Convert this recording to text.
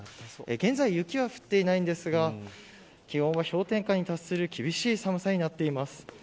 現在雪は降っていないんですが気温は氷点下に達する厳しい寒さになっています。